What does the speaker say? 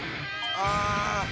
ああ。